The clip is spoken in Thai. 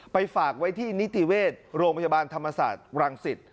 ฝากไว้ที่นิติเวชโรงพยาบาลธรรมศาสตร์รังสิต